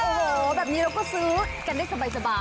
โอ้โหแบบนี้เราก็ซื้อกันได้สบาย